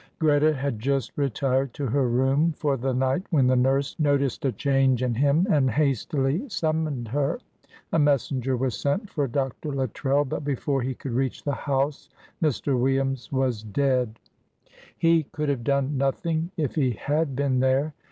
Greta had just retired to her room for the night when the nurse noticed a change in him and hastily summoned her. A messenger was sent for Dr. Luttrell, but before he could reach the house Mr. Williams was dead. He could have done nothing if he had been there.